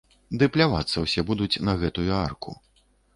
Ды плявацца ўсе будуць на гэтую арку.